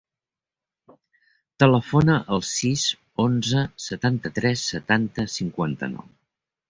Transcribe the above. Telefona al sis, onze, setanta-tres, setanta, cinquanta-nou.